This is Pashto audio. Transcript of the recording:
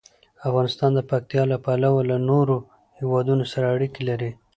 افغانستان د پکتیا له پلوه له نورو هېوادونو سره اړیکې لري.